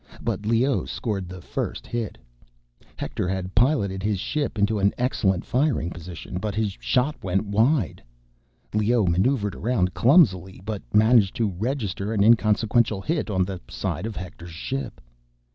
But Leoh scored the first hit—Hector had piloted his ship into an excellent firing position, but his shot went wide; Leoh maneuvered around clumsily, but managed to register an inconsequential hit on the side of Hector's ship.